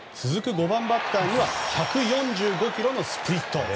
５番バッターには１４５キロのスプリット。